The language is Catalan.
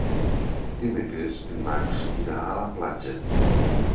Dimecres en Max irà a la platja.